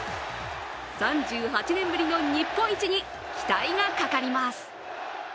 ３８年ぶりの日本一に期待がかかります。